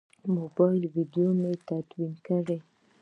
د موبایل ویدیو مې تدوین کړه.